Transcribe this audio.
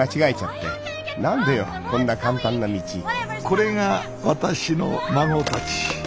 これが私の孫たち。